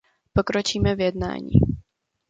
Pokročíme v jednání.